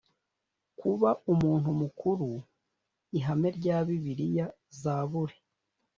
kuba umuntu mukuru Ihame rya Bibiliya Zaburi